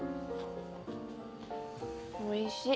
おいしい。